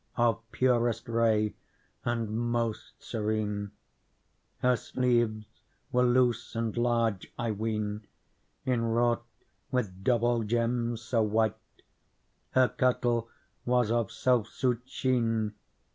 Of purest ray and most serene ; Her sleeves were loose and large, I ween. Inwrought with double gems so white ; Her kirtle was of self suit sheen.